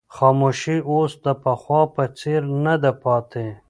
خاموشي اوس د پخوا په څېر نه ده پاتې.